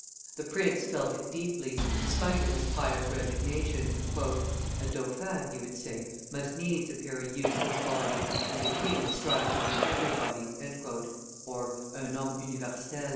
The prince felt it deeply, in spite of his pious resignation. "A dauphin," he would say, "must needs appear a useless body, and a king strive to be everybody" (un homme universel).